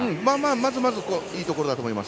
まずまずいいところだと思います。